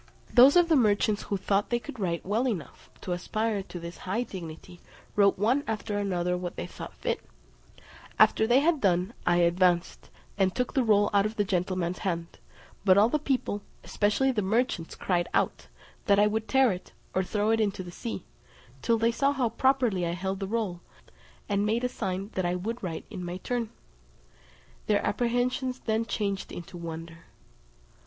Those of the merchants who thought they could write well enough to aspire to this high dignity, wrote one after another what they thought fit. After they had done, I advanced, and took the roll out of the gentleman's hand; but all the people, especially the merchants, cried out, that I would tear it, or throw it into the sea, till they saw how properly I held the roll, and made a sign that I would write in my turn: their apprehensions then changed into wonder.